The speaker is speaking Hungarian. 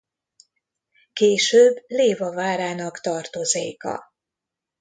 Később Léva várának tartozéka.